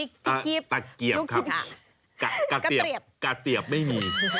กาเตียบตะเกียบครับกาเตียบไม่มี